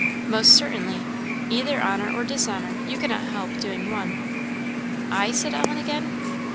_" "Most certainly; either honour or dishonour; you cannot help doing one." "I!" said Ellen, again.